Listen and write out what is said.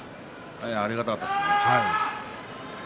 ありがたかったですね。